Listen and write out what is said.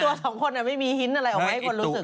ไอ้ตัวสองคนน่ะไม่มีฮิ้นอะไรออกให้คนรู้สึก